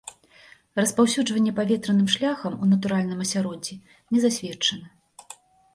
Распаўсюджванне паветраным шляхам у натуральным асяроддзі не засведчана.